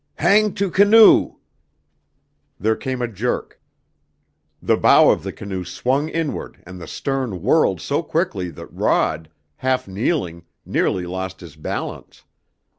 "Hang to canoe!" There came a jerk. The bow of the canoe swung inward and the stern whirled so quickly that Rod, half kneeling, nearly lost his balance.